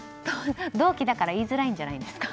同期だから言いづらいんじゃないですか。